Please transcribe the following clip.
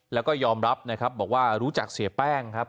แล้วก็ยอมรับนะครับบอกว่ารู้จักเสียแป้งครับ